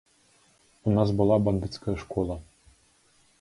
У нас была бандыцкая школа.